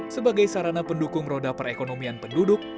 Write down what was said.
sebagai sarana pendukung roda perekonomian penduduk